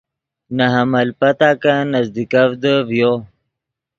نے حمل پتاکن نزدیکڤدے ڤیو۔